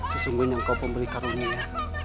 sesungguhnya kau pembeli karunia